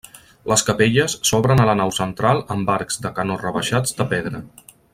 Les capelles s'obren a la nau central amb arcs de canó rebaixats de pedra.